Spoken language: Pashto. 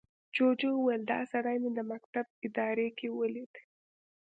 جوجو وويل، دا سړي مې د مکتب اداره کې ولید.